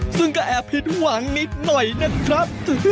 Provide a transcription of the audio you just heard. ซึ่งก็แอบผิดหวังนิดหน่อยนะครับ